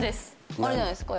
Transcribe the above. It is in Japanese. あれじゃないですか？